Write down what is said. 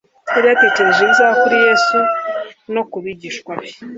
Yari yatekereje ibizaba kuri Yesu no ku bigishwa be,